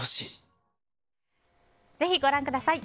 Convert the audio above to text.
ぜひご覧ください。